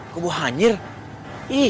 kok buah hanyir ih